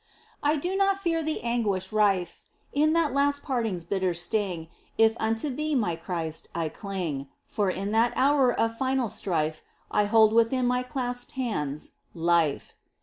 I do not fear the anguish rife In that last parting's bitter sting If unto Thee, my Christ, I cling. For in that hour of final strife I hold within my clasped hands — Life. 24 MINOR WORKS OF ST. TERESA.